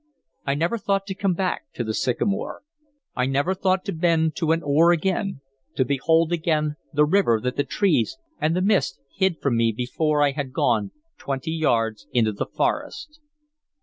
I never thought to come back to the sycamore; I never thought to bend to an oar again, to behold again the river that the trees and the mist hid from me before I had gone twenty yards into the forest.